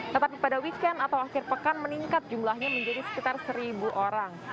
tetapi pada weekend atau akhir pekan meningkat jumlahnya menjadi sekitar seribu orang